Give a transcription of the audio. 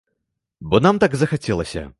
Бо нам так захацелася.